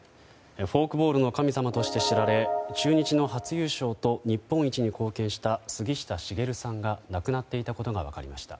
フォークボールの神様として知られ中日の初優勝と日本一に貢献した杉下茂さんが亡くなっていたことが分かりました。